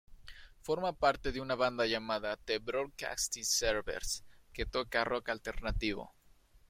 Forma parte de una banda llamada The Broadcasting Service que toca rock alternativo.